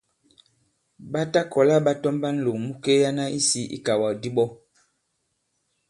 Ɓa ta kɔ̀la ɓa tɔmba ǹlòŋ mu kelyana isī ikàwàkdi ɓɔ.